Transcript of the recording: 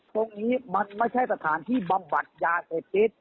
ตรงนี้มันไม่ใช่สถานที่บำบัดยาเสพติด